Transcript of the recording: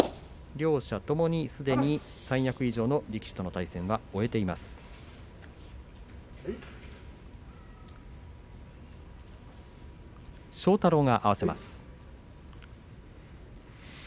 両者ともにすでに三役以上の力士との対戦は終えています。